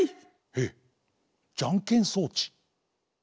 えっじゃんけん装置？